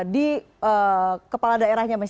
di kepala daerah masing masing